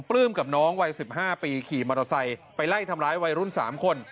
ปลื้มกับน้องวัย๑๕ปีขี่มอเตอร์ไซค์ไปไล่ทำร้ายวัยรุ่น๓คน